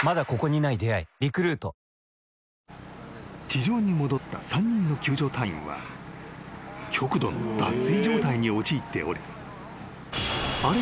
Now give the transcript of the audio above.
［地上に戻った３人の救助隊員は極度の脱水状態に陥っておりあれ